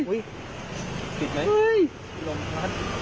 ผิดไหมลมพัด